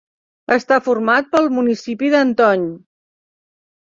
Està format pel municipi d'Antony.